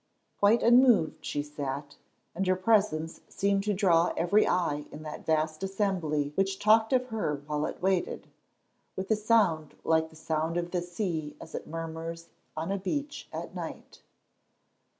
Quite unmoved she sat, and her presence seemed to draw every eye in that vast assembly which talked of her while it waited, with a sound like the sound of the sea as it murmurs on a beach at night.